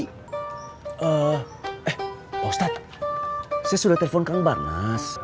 eh pak ustadz saya sudah telepon ke barnaz